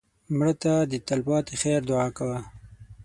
مړه ته د تل پاتې خیر دعا کوه